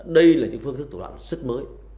đây là những phương thức thủ đoạn rất mới